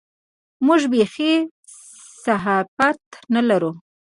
موږ بېخي صحافت نه لرو.